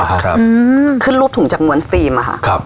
ครับอืมขึ้นรูปถุงจากนวลฟีมอ่ะค่ะครับ